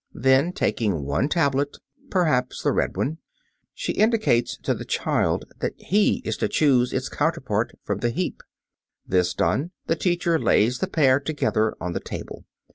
Then, taking one tablet perhaps the red one she indicates to the child that he is to choose its counterpart from the heap. This done, the teacher lays the pair together on the table.